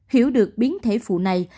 hiểu được biến thể phụ này